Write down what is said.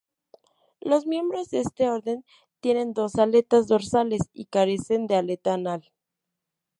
Los miembros de este orden tienen dos aletas dorsales, y carecen de aleta anal.